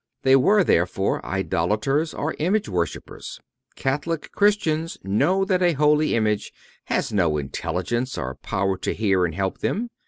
They were therefore idolaters, or image worshipers. Catholic Christians know that a holy image has no intelligence or power to hear and help them.